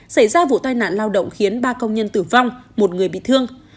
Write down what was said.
xảy ra vụ tai nạn lao động khiến ba công nhân tử vong một người bị thương